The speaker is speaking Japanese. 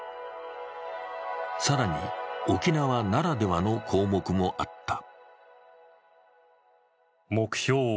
更に沖縄ならではの項目もあった。